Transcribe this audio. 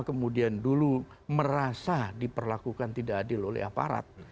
kemudian dulu merasa diperlakukan tidak adil oleh aparat